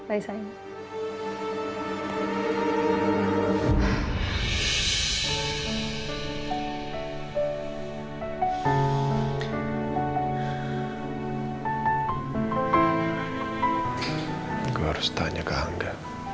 aku harus tanya ke anda